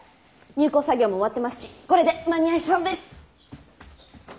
入稿作業も終わってますしこれで間に合いそうです。